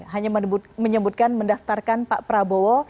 hanya menyebutkan mendaftarkan pak prabowo